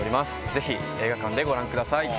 ぜひ映画館でご覧ください。